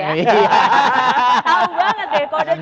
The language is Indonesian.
tahu banget deh kode terus